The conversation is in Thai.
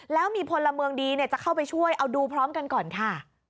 แล้วมีพลเมืองดีจะเข้าไปช่วยเอาดูพร้อมกันก่อนค่ะ